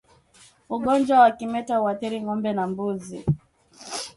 Ugonjwa wa kimeta huathiri ngombe na mbuzi